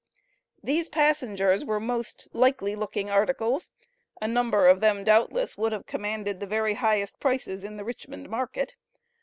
These passengers were most "likely looking articles;" a number of them, doubtless, would have commanded the very highest prices in the Richmond market.